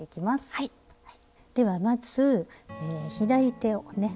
ではまず左手をね